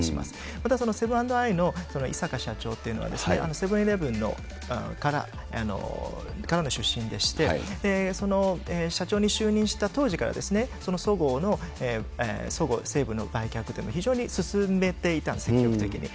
またそのセブン＆アイのいさか社長というのは、セブン・イレブンからの出身でして、その社長に就任した当時から、そのそごうの、そごう・西武の売却というのを非常にすすめていたんです、積極的に。